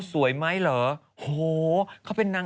ปล่อยให้เบลล่าว่าง